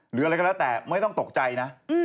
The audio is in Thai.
หรืออะไรก็แล้วแต่ไม่ต้องตกใจนะ